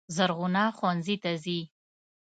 زرغونه ښوونځي ته ځي.